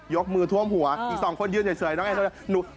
ยกมือท่วมหัวอีกสองคนยืนเฉยน้องแอนโทเนีย